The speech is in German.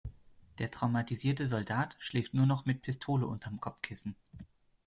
Der traumatisierte Soldat schläft nur noch mit Pistole unterm Kopfkissen.